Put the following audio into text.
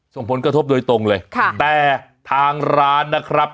ส่งผลกระทบโดยตรงเลยค่ะแต่ทางร้านนะครับ